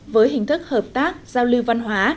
với hình thức hợp tác giao lưu văn hóa